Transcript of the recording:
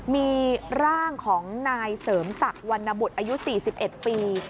มีร่างของนายเสริมศักดิ์วรรณบุตรอายุ๔๑ปี